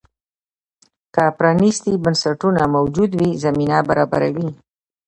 که پرانیستي بنسټونه موجود وي، زمینه برابروي.